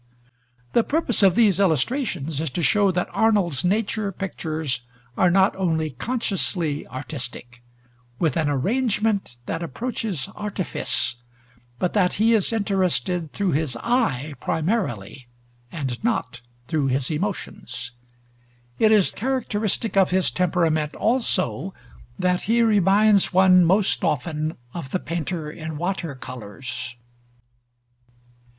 The purpose of these illustrations is to show that Arnold's nature pictures are not only consciously artistic, with an arrangement that approaches artifice, but that he is interested through his eye primarily and not through his emotions. It is characteristic of his temperament also that he reminds one most often of the painter in water colors.